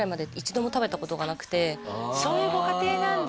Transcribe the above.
そういうご家庭なんだ